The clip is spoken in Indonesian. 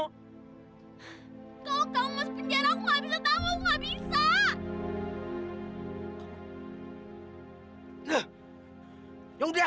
kalau kamu masuk penjara aku gak bisa tanggung aku gak bisa